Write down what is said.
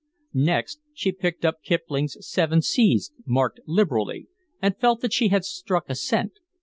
Next, she picked up Kipling's Seven Seas, marked liberally, and felt that she had struck a scent.